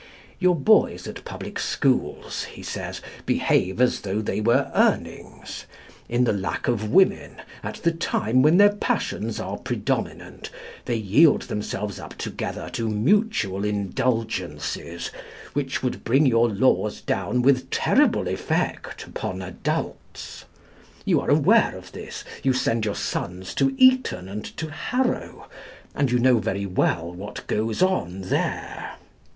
Your boys at public schools, he says, behave as though they were Urnings. In the lack of women, at the time when their passions are predominant, they yield themselves up together to mutual indulgences which would bring your laws down with terrible effect upon adults. You are aware of this. You send your sons to Eton and to Harrow, and you know very well what goes on there.